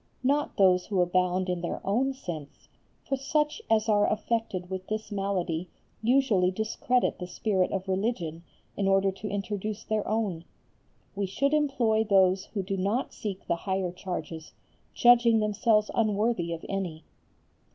Not those who abound in their own sense, for such as are affected with this malady usually discredit the spirit of religion in order to introduce their own. We should employ those who do not seek the higher charges, judging themselves unworthy of any.